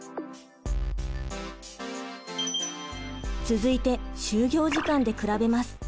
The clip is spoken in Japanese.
続いて就業時間で比べます。